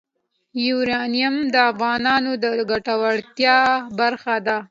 یورانیم د افغانانو د ګټورتیا برخه ده.